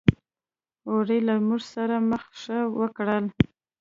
اوړي له موږ سره مخه ښه وکړل.